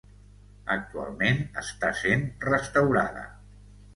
Actualment està sent restaurada.